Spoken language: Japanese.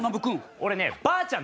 俺ねばあちゃん